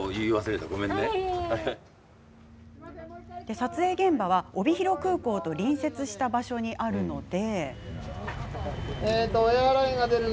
撮影現場は、帯広空港と隣接した場所にあるため。